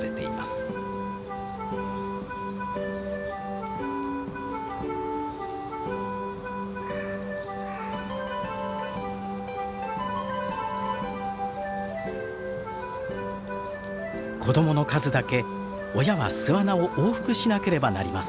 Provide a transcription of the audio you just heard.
子供の数だけ親は巣穴を往復しなければなりません。